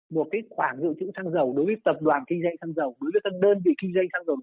một cái khoản dự trữ thăng dầu đối với tập đoàn kinh doanh thăng dầu đối với các đơn vị kinh doanh thăng dầu